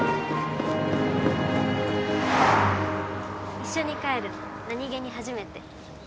一緒に帰るの何気に初めて。